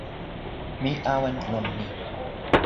mi awen lon ni.